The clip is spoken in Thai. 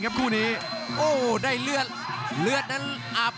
รับทราบบรรดาศักดิ์